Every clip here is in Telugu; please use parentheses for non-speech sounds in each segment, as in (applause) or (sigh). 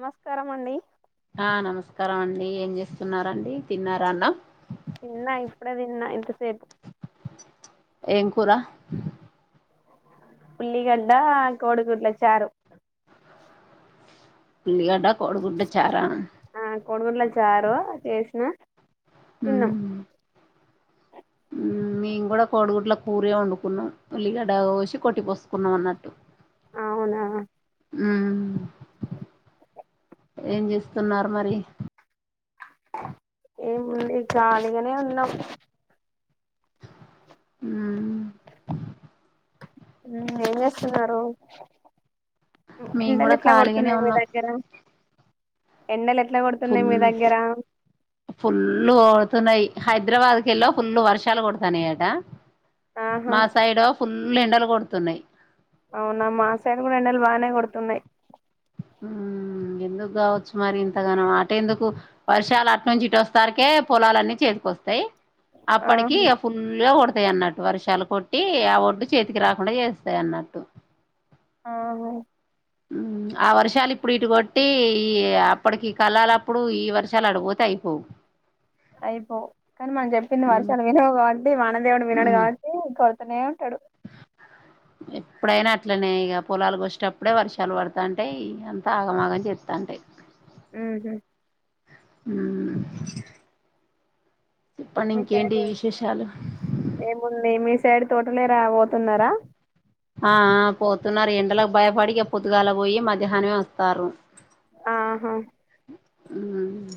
నమస్కారం అండి ఆ నమస్కారం అండి ఏం చేస్తున్నారండి తిన్నారా అన్నం తిన్నా ఇప్పుడే తిన్న ఇంతసేపు ఏం కూరా ఉల్లిగడ్డ కోడిగూడ్ల చారు ఉల్లిగడ్డ కోడిగుడ్డు చారా కోడి గుడ్ల చారు చేసిన తిన్న మ్మ్ మ్మ్ మేము కూడా కోడిగుడ్లకు కురే వండుకున్నాం ఉల్లిగడా కోసి కొట్టి పోసుకున్నాం అన్నట్టు అవునా మ్మ్ ఏం చేస్తున్నారు మరి ఏముంది జాలీగానే ఉన్నాం మ్మ్ ఏం చేస్తున్నారు మేము ఎండలు కూడా ఎట్లా ఖాళీగానే కొడుతున్నాయి మీ ఉన్నాం దగ్గర ఎండలు ఎట్లా కొడుతున్నాయి ఫుల్ మీ దగ్గర ఫుల్లు తున్నాయ్ హైదరాబాద్ కెళ ఫుల్ వర్షాలు కుడతాన్నాయట ఆహా మా సైడ్ ఫుల్ ఫుల్ ఎండలు కొడుతున్నాయి అవునా మా సైడ్ కూడా ఎండలు బాగానే కొడుతున్నాయ్ మ్మ్ ఎందుకు కావచ్చు మరి ఇంతగానం అట ఎందుకు వర్షాలు అటు నుంచి ఇటు వస్తారకే పొలలున్నీ చేదుకోవ స్తాయి ఆహా అప్పటికి ఇగ ఫుల్ గా కొడ వస్తాయ్ అన్నట్టు వర్షాలు కొట్టి ఆ ఒడ్డు చేతికి రాకుండా చేస్తాయి అన్నట్టు ఆ హ మ్మ్ ఆ వర్షాలు ఇప్పుడు ఇటు కొట్టి ఈ అప్పటికి కలాలప్పుడు ఈ వర్షాలు అడిపోతే అయిపోవు అయిపో కానీ మనం చెప్పింది మ్మ్ వర్షాలు వినవ్ కాబట్టి వానదేవుడు వినడు మ్మ్ కాబట్టి ఇంకా కోడ్తనే ఉంటాడు ఎ ఇప్పుడైనా అట్లనే ఇగ పొలాలు వచ్చేటప్పుడే వర్షాలు పడుతాంటేయి అంత ఆగమాగం చెత్తంటాయి మ్మ్ హు మ్మ్ చెప్పండి మీ ఇంకేంటి సైడ్ విశేషాలు ఏముంది మీ సైడ్ తోటలే రా పోతున్నారా ఆ ఆ పోతున్నారు ఎండలకు భయపడిక పొతుగాల పోయి మధ్యాహ్నమే వస్తారు ఆహా మ్మ్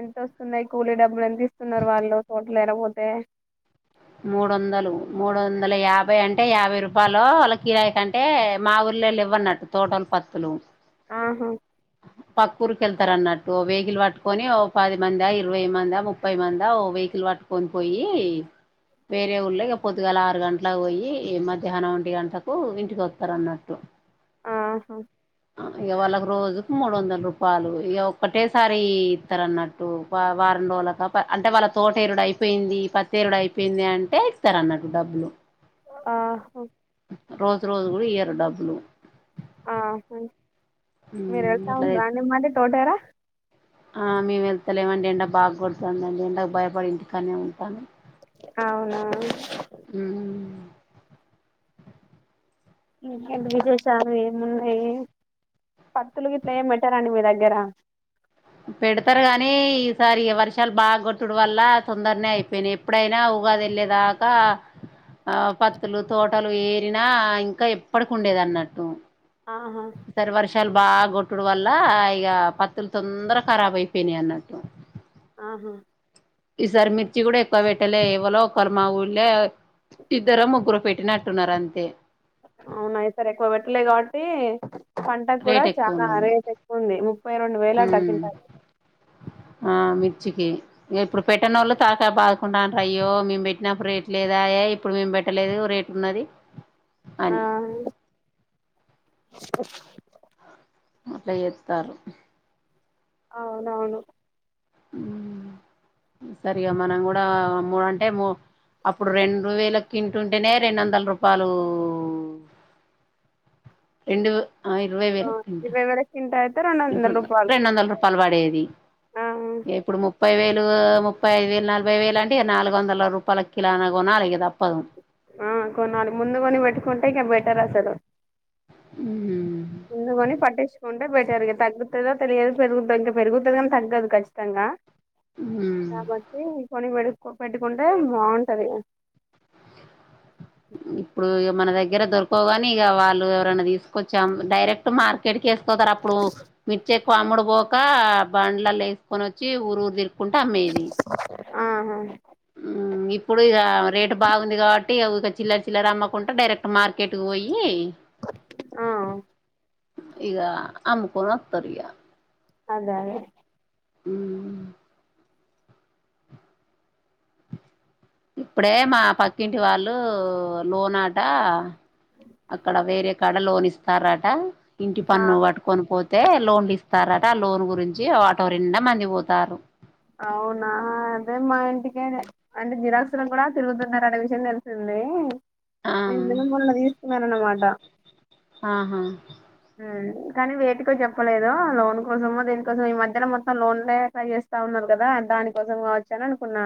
ఎంతొస్తున్నాయి కూలీ డబ్బులు ఎంత ఇస్తున్నారు వాళ్ళు తోటలు ఎరపోతే మూడు వందలు మూడు వందల యాభై అంటే యాభై రూపాయలు వాళ్ళ కిరాయి కంటే మా ఊరి లు లెవ్వన్నట్టు తోటోల పత్తులు ఆహా కూరికెళ్తారు అన్నట్టు వెహికిల్ పట్టుకొని ఓ పది మందా ఇరవై మందా ముప్పై మందా ఓ వెహికల్ పట్టు పోన్ పోయి వేరే ఊళ్ళ ఇగ పొద్దుగాల ఆరు గంటలా పోయి మధ్యాహ్నం ఒంటి గంటకు ఇంటికి వస్తారు అన్నట్టు ఆహా ఇగ వాళ్ళకి రోజు మూడు వందల రూపాయలు ఇగ ఒక్కటేసారి ఇస్తారు అన్నట్టు వారం రోజుగా అంటే వాళ్ళ తోటేరుడు అయిపోయింది పత్తేరుడు అయిపోయింది అంటే ఇస్తతారు అన్నట్టు డబ్బులు ఆ హా రోజు రోజు ఇయ్యరు డబ్లుు ఆ మీర వెళ్తా అట్లా ఉంట్రా అండి తోటార ఆ మేము వెళ్తాలేమండి ఎండ బాగ కొడుతుందిండి ఎండకు భయపడి ఇంటికనే ఉంటాను అవునా ఇంకేంటి విశేషాలు ఏమున్నాయి పత్తులు గిట్ల ఎం పెట్టారండి మీ దగ్గర పెడతారు గానీ ఈసారి ఈ వర్షాలు బాగ కొట్టుడు వల్ల తొందరనే అయిపోనియి ఎప్పుడైనా వదిల్లే దాకా ఆ పత్తులు, తోటలు ఏరినా ఇంకా ఎప్పటికుండేదన్నట్టు. ఆహా బాగ్గోట్టుడు వల్ల ఇగా పత్తులు తొందర ఖరాబ్ అయిపోయినన్నట్టు. ఆహా ఈసారి మిర్చి గూడా ఎక్కువ పెట్టలే. ఎవ్వలో ఒక్కరు మా ఊల్లే ఇద్దరో, ముగ్గురు పెట్టినట్టున్నారంతే. అవునాయి సార్ ఎక్కువ పెట్టలే కాబట్టి పంట కూడా రేట్ ఎక్కువ చాలా ఉన్నది అరగే త ఎక్కువంది ముప్పై రెండు వేల అ ఉమ్ టాకింటారు ఆ మిర్ మిర్చికి ఇక ఇప్పుడు పెట్టనోళ్ళు తలకా బాదుకుంటాన్రూ. అయ్యో మేము పెట్టినప్పుడు రేట్ లేదాయే, ఇప్పుడు మేమ్మ్ ఇక లేదు రేపున్నది, అని స అట్ట జేత్తారు అవునవును సరిగా మనం గూడా మో అంటే మో అప్పుడు రెండు వేలకు కింటుంటేనే రెండందల రుపాలు. రెండు ఆ ఇరవై ఆ, వేలకు కింటా ఇరవై వేల క్వింటాల్ అయితే రెండు వందల తింటుండా రూపాయలు రెండొందల రుపా పలవాడేది ఆ ఎప్పుడు ము ముప్పై వేలు, ముప్పై ఐదు వేలు, నలభై వేలు అంటే నాలుగు వందల రూపాయల కిలోనా కొనాలి ఇగ తప్ ఆ కొన్నాళ్ళగు ముందుకని పెట్టుకుంటే ఇంకా బెటర్ అసలు ఊహు ముందుకని పట్టించుకుంటే రిగా తగ్గుతుందో తెలియదు పెరుగుతుా ఇంకా పెరుగుతుందినీ తగ్గదు ఖచ్చితంగా మ్మ్ నమస్తే కొనే మడ పెట్టుకుంటే బాగుంటది ఇప్పుడు ఇగ మన దగ్ దగ్గర దొరకోగాని ఇక వాళ్ళు ఎవరైనా తీసుకొచ్చాం. డైరెక్ట్ మార్కెట్ కే పోతారప్పుడు, మిర్చెక్కువ అమ్ముడు పోక బండ్లల్లో వేసుకోనొచ్చి ఊరూరు తిరు ఆహా హ్మ్మ్ ఇప్పుడు ఇగ రేటు బాగుంది గాబట్టి ఊక చిల్లర చిల్లర అమ్మకుంటా డైరెక్ట్ మార్కెట్ కు పోయి ఆ ఇగ అమ్ముకోనొత్తరు ఇగ అదే అదే ఊ హ్మ్మ్ ఇప్పుడే మా పక్కింటి వాళ్ళు లోనాట అక్కడ వేరే కాడ లోన్ ఇస్తారట. ఇంటి ఆ పన్ను పట్టుకొని పోత్ తే లోన్లీస్తారట, ఆ లోన్ గురించి అటో నిండా మంది బోతారు. అవునా అదే మా ఇంటిక అంటే దిరాక్షరం కూడా తిరుగుతున్నార అడ విషయం తెలిసింద ఆ నేను దిన మలా తీసుకున్నాారన మాటా ఆహా కానీ వేటికో చెప్పలేదు లోన్ కోసము దీనికోసం ఈ మధ్యలో మొత్తం లోన్లే చేస్త స్తా ఉన్నారు కదా దానికోసం కావచ్చు అని అనుకున్నా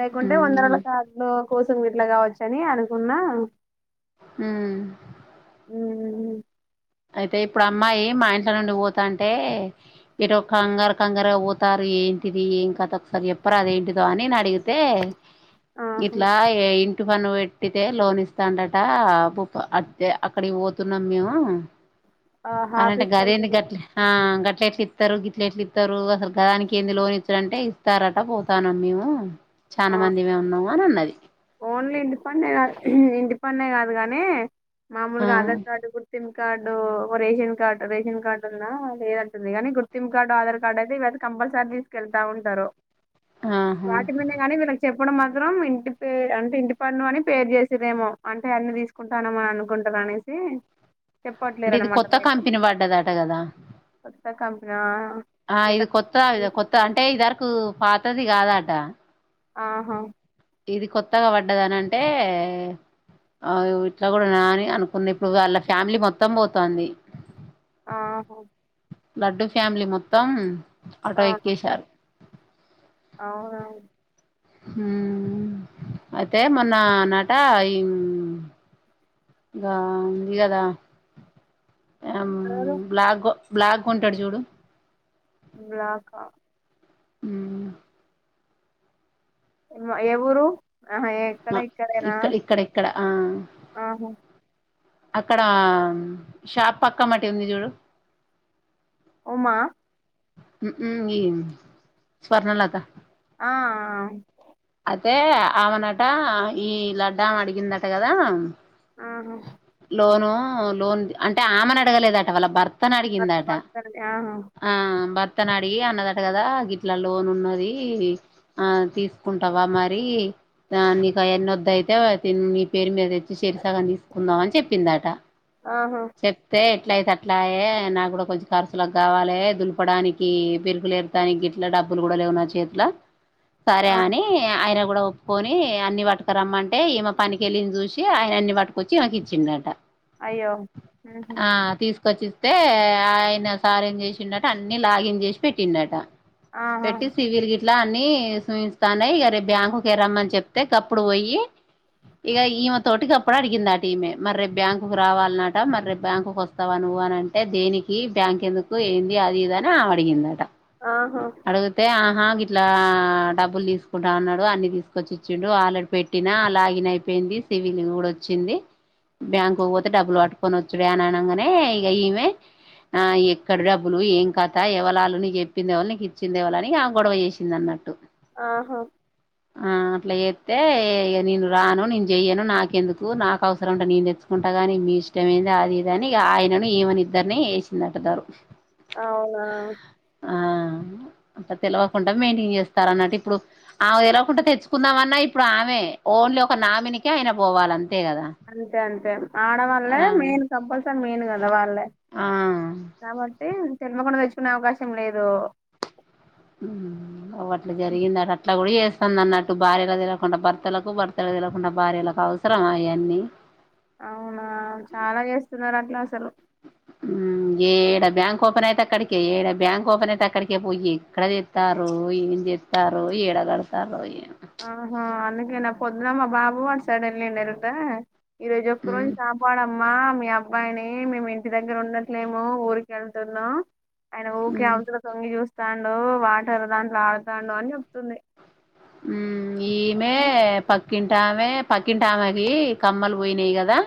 లేకుంటే వందరుల ఉమ్ కార్లు కోసం వీట్లా కావచ్చ అని అనుకున్నా హ్మ్మ్ ఉ అయితే ఇప్పుడు అమ్మాయి మా ఇంట్ల నుండి పోతాంటే, ఇటు కంగారు కంగారుగా పోతారీ. ఏంటిది ఏంకథ ఒకసారి చెప్పరాదేంటిదో అని నేనడిగితే ఇట్లా ఇ ఇట్టు పన్ను పెట్టితే లోన్ ఇస్తాండట, (unintelligible) అక్కడికి పోతున్నాం మేము ఆహా అనంటే ఆఫీస్ గరింది వెళ్తాను గట్ల ఉమ్, గట్లట్ ఇస్తారు గిట్ల ఎట్లు ఇస్తారు అసలు గదానికి ఏంది లోన్ ఇచ్చారంటే ఇస్తారట పోతానం మేము చాలా ఆ, మంది ఇమే ఉన్నావు అని ఉన్నది ఓన్లీ ఇండిపెండెంట్దు ఇండిపెండెంట్ కాదు గానీ ఆ మాముూలుగా ఆధార్ కార్డు కూడా గుర్తింపు కార్డు ఓ రేషన్ కార్డు రేషన్ కార్డు ఉన్నా లేదంటుంది కానీ గుర్తిం కార్డు ఆధార్ కార్డు అయితే ఇవితే కంపల్సరీ తీసుకెళ్తా అంటా ఉంటారు ఆహా వాటి మీద కాని వీళ్ళకి చెప్పడం మాత్రం ఇంటి పేరు అంటే ఇంటి పన్న అని పేరు చేసేదేమో అంటే అన్ని తీసుకుంటానమని అనుకుంటారు అనేసి అంటే ఇది చెప్పట్లేరునమాట కొత్త మీకు కంపెనీ పడ్డదట కదా కొత్త కంపెనీ ఆ ఇది కొత్త కొత్త అంటే ఇదిద వరకు పాతది గాదట ఆహా ఇది కొత్తగా పడ్డద అనింటే అ ఇట్లా కూడా అని అనుకున్నా ఇప్పుడు వాళ్ళ ఫ్యామిలీ మొత్తం పోతుంది ఆహా లడ్డు ఫ్యామిలీ మొత్తం ఆటో ఎక్కేశారు అవును అవును హ అయితే మొన్న నట ఈ గా ఇంది కదా ఎవరు? బ్లాక్ బ్లాక్ ఉంటాడు చూడు బ్లాకా ఉ హు ఎ ఊరు ఆ ఎక్కడ ఇక్కడేనా ఇక్కడ ఇక్కడ ఇక్కడ ఆ ఆహా అక్కడ షాప్ పక్క మటి ఉంది చూడు ఉ మా ఉ ఇ స్వర్ణలత ఆ అయితే ఆమెనట ఈ లడ్డా అడిగిందట కదా ఆ హ లోను లోన్ అంటే ఆమెను అడగలేదట వాళ్ళ భర్త భర్తను భర్త అడిగిందాట భర్తది ఆహా ఆ బ భర్తను అడిగి అన్నదట కదా గిట్లా లోన్ ఉన్నది ఆ తీసుకుంటావా మరి ఆ నీకా ఎన్నొద్ద అయితవ నీ పేరు మీద అయి చెరిసగం తీసుకుందాం అని చెప్పిందాట ఆహా చెప్తే ఎట్లా అయితే అట్లాయ నాకు కూడా కొంచె ఖర్చులకి కావాలి దులుపడానికి పెరుగులురుతానికి గిట్ల డబ్బ అప్పులు కూడా లేవు నా చేతిలో సరే ఆ అని ఆయన కూడా ఒప్పుకొని అన్ని పట్టుక రమ్మంటే ఈమె పనికిళ్ళిన చూసి ఆయన అన్ని పట్టుకొచ్చి ఈకి ఇచ్చిండట అయ్యో ఉహు ఆ తీసుకు తీసుకువచ్చి ఇస్తే ఆయన సార్ ఏం చేసిట అన్ని లాగిన్ చేసి పెట్టినట ఆహా పెట్టి సివల్ గ ఇట్లా అని సూయిస్తాన ఇక రేపు బ్యాంకుకిరమ్మని చెప్తే గా ప్పుడు పోయి ఇక ఈమె తోటికి అప్పుడు అడిగింది అట మరి రేపు బ్యాంకు రావాలన్నట మరి రేపు బ్యాంకు వస్తా నువ్వు నువ్వు అంటే దేనికి బ్యాంక్ ఎందుకు ఏంది అది ఇదని అడిగిందట ఆహా అడిగితే ఆహా ఇట్లా డబ్బులు తీసుకుంటా ఉన్నాడు అన్ని తీసుకొచ్చి ఇచ్చిడు ఆల్రెడీ పెట్టినా లాగిన అయిపోయింది సివిలింగ్ కూడా వచ్చింది బ్యాంకు పోతే డబ్బులు పట్టుకొని వచ్చుడు అని అనగానే ఇక ఈమె ఆ ఎక్కడ డబ్బులు ఏం కతా ఎవళలు నీ చెప్పంది ఎవలు నీకు చిందే ఎవ్వలు అని ఆమె గొడవ చేసింది అన్నట్టు ఆహా ఆ అట్లా చేతే ఇగ నేను రాను నేను చెయ్యను నాకెందుకు నాకు అవసరం ఉంటే నేను తెచ్చుకు కుంటగాని మీ ఇష్టమ ఏది అది ఇది అని ఆయనను ఈమెను ఇద్దరిని వేసిందంట దరువు అవునా ఆ అంత తెలివకుండా మెయింటైన్ చేస్తారు అన్నట్టు ఇప్పుడు ఆ తెలవకుండా తెచ్చుకుందామ అన్నా ఇప్పుడు ఆమె ఓన్లీ ఒక నామకే ఆయన పోవాలంత అంతే అంతే ఆడవాళ్లే ఆ మెయిన్ కంపల్సరీ మెయిన్ కా ల వాళ్ళే ఆ కాబట్టి తెలవకుండా తెచ్చుకునే అవకాశం లేదు అవ్వట్ల జరిగిందట అట్లా ఇట్లా కూడా చేస్తాంది అన్నట్టు భార్యలకు తెలవకుండా భర్తలకు భర్తలకు తెలవకుండా భార్యలకు అవసరమా అయ్యాన్ని అవునా చాలా చేస్తున్నారు అట్లా అసలు ఉ ఏడ బ్యాంక్ ఓపన్ అయితే అక్కడికి ఏడ బ్యాంక్ ఓపన్ అయితే అక్కడికి పోయి ఎక్కడ తేత్తారో ఓయ్ ఏం చేత్తారో ఏడ కడతారో నిన్న మా బాబు అటు సైడ్ ఎల్లిండు ఏంటా ఇయాల ఒక్క రోజు ఉమ్ కాపాడమ్ అమ్మా మీ అబ్బాయిని మేము ఇంటి దగ్గర ఉన్నట్లేము ఊరికి వెళ్తున్నాం ఆయన ఊకె ఉమ్ హౌస్ ల తొంగి చూస్తాండు వాటర్ దాంట్లో ఆడుతాండు అని చెప్తుంది ఉ ఈమె అయితే పక్కింటి టమె పక్కింటి ఆమెకి కమ్మలు పోయినాయి కదా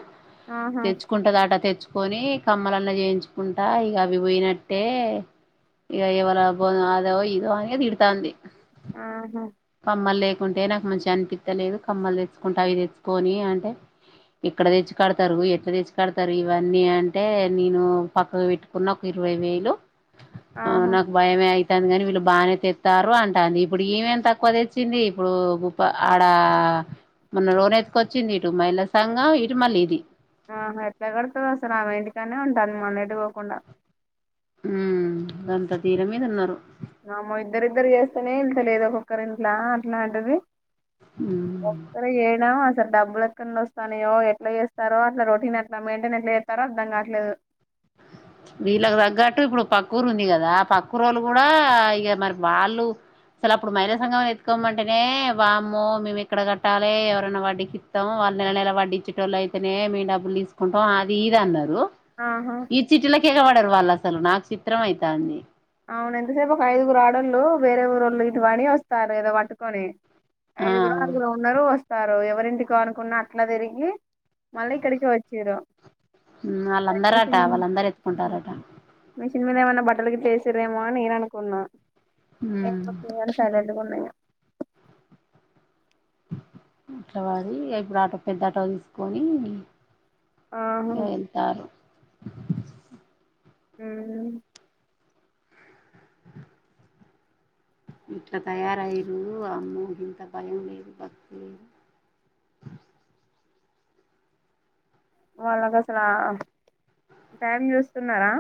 ఆహా తెచ్చుకుంటదట తెచ్చు కొని కమ్మలన్న చేయించుకుంటా ఇక అవి పోయినట్టే ఇగ యవల బో అదో ఇదో అని తిడతాంది ఆహా మ్మలు లేకుంటే నాకు మంచిగా అనిపిత్తలేదు కమ్మలు తెచ్చుకుంటే అవి తెచ్చుకొని అంటే ఇక్కడ తెచ్చికడతారు ఎట్లా తెచ్చికడతారు ఇవన్నీ అంటే నేను పక్కకు పెట్టుకున్న ఒక ఇర్ ఇరవై వేయిలు ఆహా నాకు భయమే అయితాంది కానీ వీళ్ళు బాగానే తెతారు అంటది ఇప్పుడు ఇమేం తక్కువ తకువ తెచ్చింది ఇప్పుడు గుప్ప ఆడ మొన్న రోన్ ఎత్తుకొచ్చింది ఇటు మహిళా సంఘం ఇటు మళ్ళీ ఇది ఆహ ఎట్లా కడుతది అసలు ఆమె ఇంటికనే ఉంటాంది మల్ల ఇటు పోకుండా ఉ గంత ధీర మీద ఉన్నారు మామో ఇద్దరిద్దరు చేస్తేనే ఏళ్ లేదు ఒక్కొక్కరు ఇంట్ల అట్లాంటది ఉమ్ ఒక్కర ఏనా డబ్బులు ఎక్కడ వస్తాయో ఎట్లా చేస్తారో అట్లా రొటీన్ ఎట్లా మైంటైన్ ఎట్లా చేస్తారో అర్థం కావట్లేదు వీళ్ళకి తగ్గట్టు ఇప్పుడు పక్కూరు ఉంది కదా ఆ పక్కూరోళ్ళు కూడా ఇక మరి వాళ్ళు అసలు అప్పుడు మహిళ సంఘం ఎత్తుకోమంటేనే వామ్మో మేము ఎక్కడ కట్టాలి ఎవరన్నా వాడ్డికి ఇత్తం వాళ్ళ నెల నెల వడ్డీ ఇచ్చేటోళ్లయితేనే మేము డబ్బులు తీసుకుంటాం అది ఇది అన్నారు ఆహా తెగబడ్డారు వాళ్ళు అసలు నాకు చిత్రం అయితాంది అవును ఎంత సేపు ఒక ఐదుగురు ఆడోళ్ళు వేరే ఊరోళ్ళు ఇటువని వస్తారు కదా పట్టుకొని ఆ ఐదుగురో ఆరుగురో ఉన్నారు వస్తారు ఎవరింటికో అనుకున్నా అట్లా తిరిగి మళ్ళీ ఇక్కడికి వచ్చిర్రు వాళ్ళందరట వాళ్ళందరూ ఎత్తుకుంటారట తని మీద ఏమైన్నా బట్టలుకి ఏసిరేమో నేను అనుకున్నా సైలెంట్గా ఉన్నా ఇగ (unintelligible) ఇప్పుడు ఆటో పెద్ద అటో తీసుకొని ఆహా ఎంతారు ఉహా ఇట్లా తయారయ్యారు అమ్మో ఇంత భయం లేదు భక్తి లేదు ఆ వాళ్ళకి అసల ఆ టైం చూస్తున్నారా